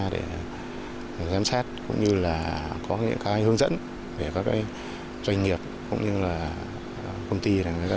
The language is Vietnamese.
để giám sát cũng như là có những hướng dẫn để các doanh nghiệp cũng như là công ty